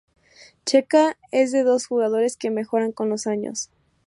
Checa es de esos jugadores que mejora con los años.